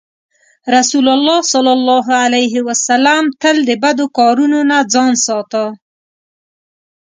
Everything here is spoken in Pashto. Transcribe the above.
رسول الله ﷺ تل د بدو کارونو نه ځان ساته.